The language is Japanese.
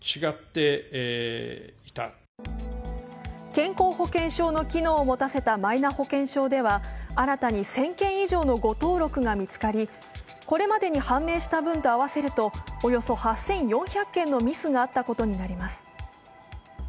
健康保険証の機能を持たせたマイナ保険証では新たに１０００件以上の誤登録が見つかり、これまでに判明した分と合わせるとおよそ８４００件のミスがあったことになります。